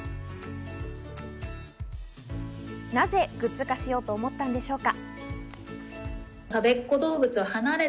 なぜグッズ化しようと思ったんでしょうか。